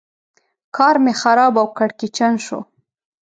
کار مې خراب او کړکېچن شو.